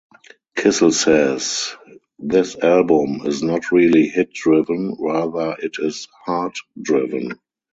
Kissel says this album is "not really hit driven" rather it is "heart driven".